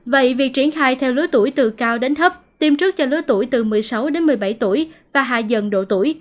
vậy việc triển khai theo lứa tuổi từ cao đến thấp tiêm trước cho lứa tuổi từ một mươi sáu đến một mươi bảy tuổi và hạ dần độ tuổi